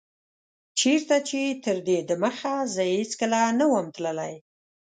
چيرته چي تر دي دمخه زه هيڅکله نه وم تللی